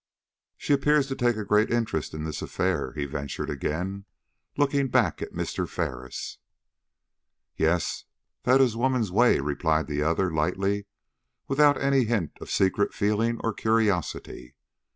"She appears to take a great interest in this affair," he ventured again, looking back at Mr. Ferris. "Yes, that is woman's way," replied the other, lightly, without any hint of secret feeling or curiosity.